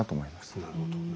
なるほど。